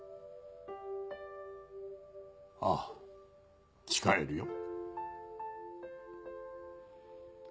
ああ誓えるよ。